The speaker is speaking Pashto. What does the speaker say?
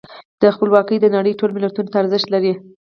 خپلواکي د نړۍ ټولو ملتونو ته ارزښت لري.